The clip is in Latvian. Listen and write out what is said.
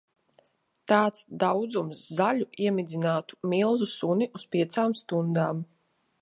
Tāds daudzums zaļu iemidzinātu milzu suni uz piecām stundām.